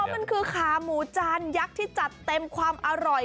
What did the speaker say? มันคือขาหมูจานยักษ์ที่จัดเต็มความอร่อย